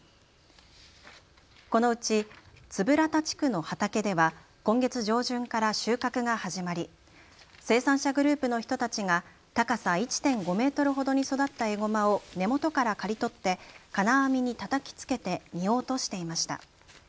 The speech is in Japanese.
このうち円良田地区の畑では今月上旬から収穫が始まり生産者グループの人たちが高さ１．５メートルほどに育ったエゴマを根元から刈り取って金網にたたきつけて実を落としていました。